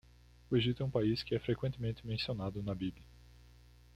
O Egito é um país que é frequentemente mencionado na Bíblia.